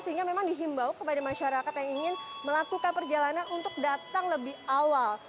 sehingga memang dihimbau kepada masyarakat yang ingin melakukan perjalanan untuk datang lebih awal